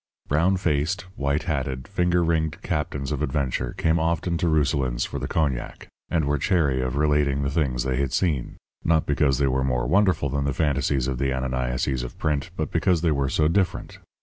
Brown faced, white hatted, finger ringed captains of adventure came often to Rousselin's for the cognac. They came from sea and land, and were chary of relating the things they had seen not because they were more wonderful than the fantasies of the Ananiases of print, but because they were so different.